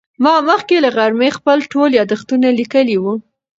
ما مخکې له غرمې خپل ټول یادښتونه لیکلي وو.